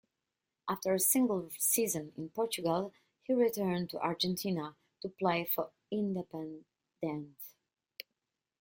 After a single season in Portugal, he returned to Argentina to play for Independiente.